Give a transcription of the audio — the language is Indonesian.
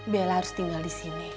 bella harus tinggal disini